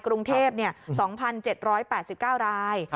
กรุงเทพ๒๗๘๙ราย